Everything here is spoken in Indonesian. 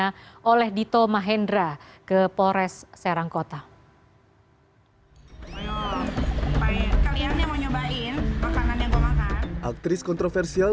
ke pores serangkota hai ayo kalian yang mau nyobain makanan yang gue makan aktris kontroversial